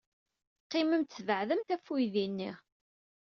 Qqimemt tbeɛdemt ɣef uydi-nni.